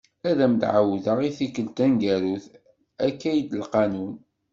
Ad am-d-ɛawdeɣ i tikelt taneggarut, akka i d lqanun.